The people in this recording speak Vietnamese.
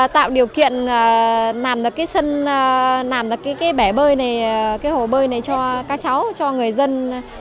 tạo điều kiện làm được cái bẻ bơi này cái hồ bơi này cho các cháu cho người dân